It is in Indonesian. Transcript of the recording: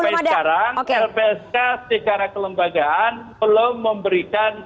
sampai sekarang lpsk secara kelembagaan belum memberikan